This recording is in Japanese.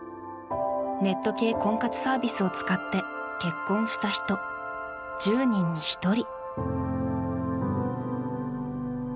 ネット系婚活サービスを使って結婚した人１０人に１人。